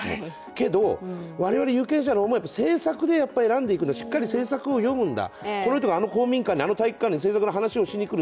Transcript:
けど、我々有権者の思いは、しっかり政策で選んでいくんだ、しっかり政策を読むんだ、この人があの公民館で、あの政策の話をしに来る。